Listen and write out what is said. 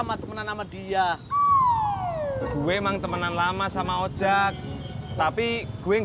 yaudah bang jalan sekarang